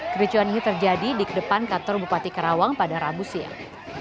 kericuan ini terjadi di ke depan kantor bupati karawang pada rabu siang